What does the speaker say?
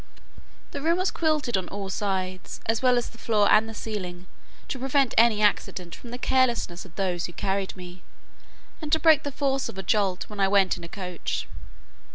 The room was quilted on all sides, as well as the floor and the ceiling, to prevent any accident from the carelessness of those who carried me, and to break the force of a jolt, when I went in a coach.